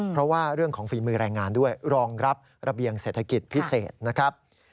เพราะว่าเรื่องของฝีมือแรงงานด้วยรองรับระเบียงเศรษฐกิจพิเศษนะครับ